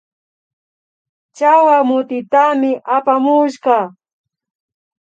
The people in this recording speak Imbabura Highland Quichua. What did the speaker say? Chawa mutitami apamushka